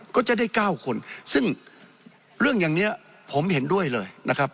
ก็จะได้๙คนซึ่งเรื่องอย่างนี้ผมเห็นด้วยเลยนะครับ